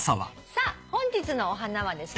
さあ本日のお花はですね